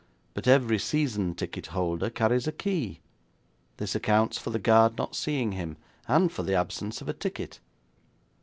But every season ticket holder carries a key. This accounts for the guard not seeing him, and for the absence of a ticket.